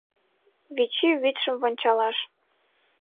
Вичи вӱдшым вончалаш